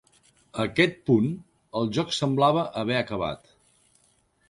A aquest punt, el joc semblava haver acabat.